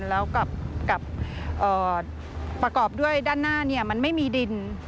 แล้วกับประกอบด้วยด้านหน้ามันไม่มีดิน